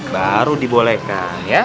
baru dibolehkan ya